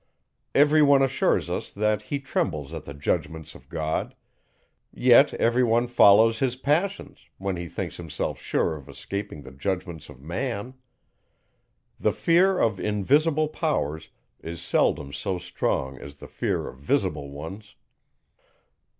Every one assures us, that he trembles at the judgments of God; yet every one follows his passions, when he thinks himself sure of escaping the judgments of Man. The fear of invisible powers is seldom so strong as the fear of visible ones.